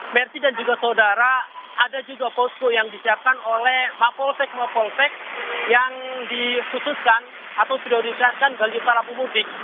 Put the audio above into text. merti dan juga saudara ada juga posko yang disiapkan oleh mapoltec mapoltec yang disususkan atau priorisasi bagi para pemudik